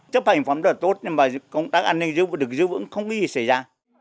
chấp hành pháp rất là tốt nhưng mà công tác an ninh được giữ vững không có gì xảy ra